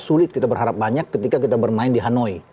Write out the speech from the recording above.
sulit kita berharap banyak ketika kita bermain di hanoi